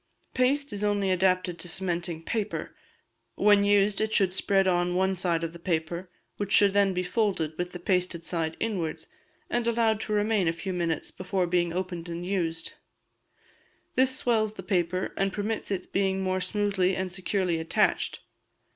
Paste is only adapted to cementing paper; when used it should spread on one side of the paper, which should then be folded with the pasted side inwards, and allowed to remain a few minutes before being opened and used; this swells the paper, and permits its being mere smoothly and securely attached.